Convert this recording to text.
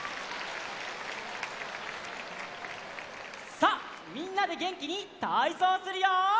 さあみんなでげんきにたいそうするよ！